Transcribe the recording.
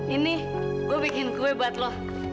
ini gue bikin kue buat loh